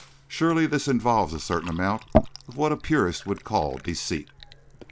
Surely this involves a certain amount of what a purist would call deceit?"